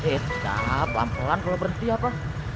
eh tak pelan pelan kalau berhenti apa